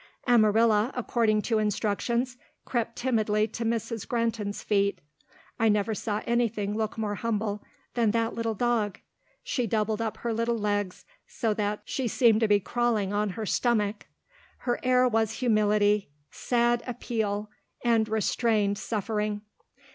Amarilla, according to instructions, crept timidly to Mrs. Granton's feet. I never saw anything look more humble than that little dog. She doubled up her little legs so that she seemed to be crawling on her stomach. Her air was humility, sad appeal, and restrained suffering.